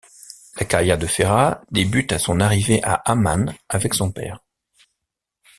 La carrière de Ferras débute à son arrivée à Amman avec son père.